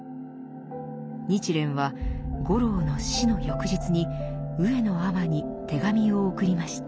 日蓮は五郎の死の翌日に上野尼に手紙を送りました。